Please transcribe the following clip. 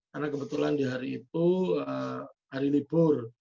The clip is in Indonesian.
karena kebetulan di hari itu hari libur